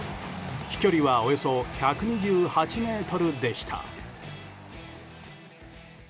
飛距離はおよそ１２８ｍでした。